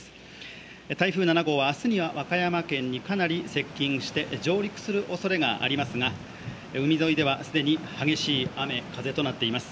台風７号は明日には和歌山県にかなり接近して上陸するおそれがありますが海沿いでは既に激しい雨・風となっています。